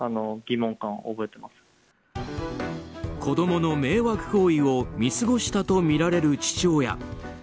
子供の迷惑行為を見過ごしたとみられる父親。